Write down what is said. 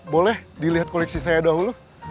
boleh dilihat koleksi saya dahulu